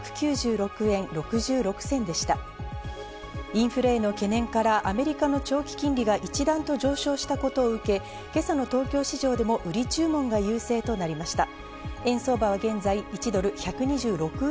インフレへの懸念からアメリカの長期金利が一段と上昇したことを受け、今朝の東京市場でも売り注文が優勢となりました。